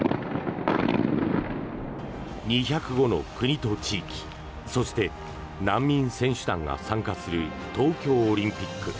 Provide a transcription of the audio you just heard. ２０５の国と地域そして、難民選手団が参加する東京オリンピック。